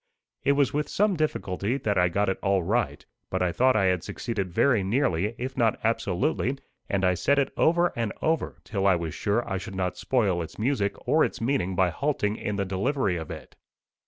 It was with some difficulty that I got it all right; but I thought I had succeeded very nearly, if not absolutely, and I said it over and over, till I was sure I should not spoil its music or its meaning by halting in the delivery of it.